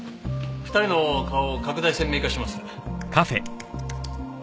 ２人の顔を拡大鮮明化します。